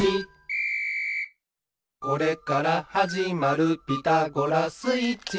「これからはじまる『ピタゴラスイッチ』は」